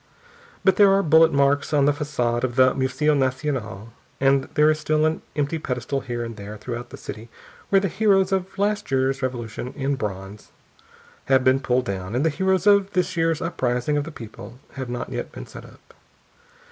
But there are bullet marks on the façade of the Museo Nacionál, and there is still an empty pedestal here and there throughout the city where the heroes of last year's revolution, in bronze, have been pulled down and the heroes of this year's uprising of the people have not yet been set up.